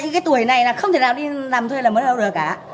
cái tuổi này là không thể nào đi làm thuê là mới đâu được cả